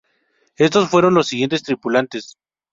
Estos fueron los siguientes tripulantes.